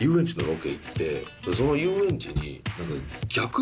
その遊園地に。